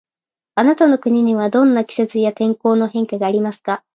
あなたの国にはどんな季節や天候の変化がありますか。